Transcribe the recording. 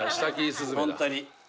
ホントに。